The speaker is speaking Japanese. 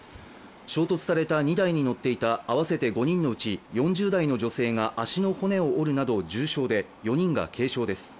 衝突された２台に乗っていた合わせて５人のうち４０代の女性が足の骨を折るなど重傷で、４人が軽傷です。